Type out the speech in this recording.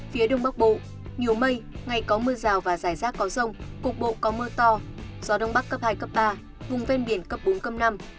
phía đông bắc bộ nhiều mây ngày có mưa rào và rải rác có rông cục bộ có mưa to gió đông bắc cấp hai cấp ba vùng ven biển cấp bốn cấp năm